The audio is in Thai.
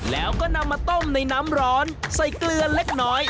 แล้วก็นำมาต้มในน้ำร้อนใส่เกลือเล็กน้อย